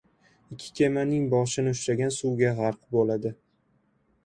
• Ikki kemaning boshini ushlagan suvga g‘arq bo‘ladi.